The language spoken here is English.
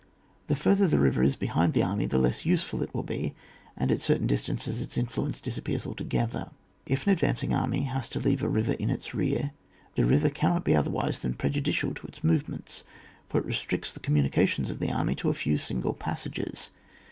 The further the river is behind the army, the less useful it will be, and at certain distances its influence disappears alto gether. If an advancing army has to leave a river in its rear, the river cannot be otherwise than prejudicial to its move ments, for it restricts the communications of the army to a few single passages.